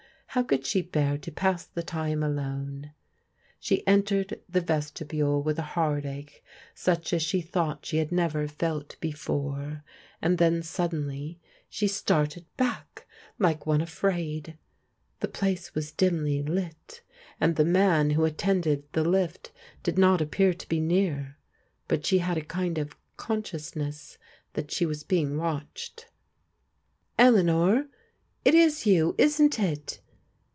How could she bear to pass the time alone ? She entered the vestibule with a heartache such as she thought she had never felt before, and then sud denly she started back like one afraid. The place was dimly lit, and the man who attended the lift did not appear to be near, but she had a kind of consciousness that she was being watched. " Eleanor ! It is you, isn't it